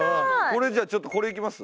ちょっとこれいきます？